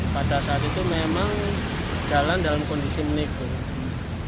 pada saat itu memang jalan dalam kondisi menikung